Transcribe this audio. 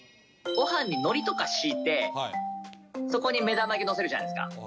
ごはんにのりとか敷いて、そこに目玉焼き載せるじゃないですか。